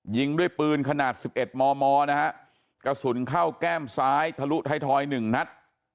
ยิงด้วยปืนขนาด๑๑มมนะฮะกระสุนเข้าแก้มซ้ายทะลุท้ายทอยหนึ่งนัด